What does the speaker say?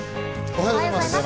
おはようございます。